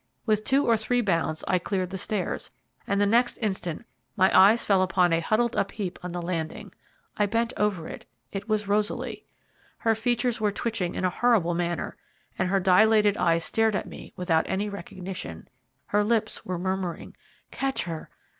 With two or three bounds I cleared the stairs, and the next instant my eyes fell upon a huddled up heap on the landing. I bent over it; it was Rosaly. Her features were twitching in a horrible manner, and her dilated eyes stared at me without any recognition. Her lips were murmuring, "Catch her!